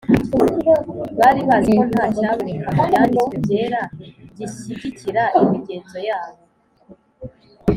Bari bazi ko nta cyaboneka mu Byanditswe Byera gishyigikira imigenzo yabo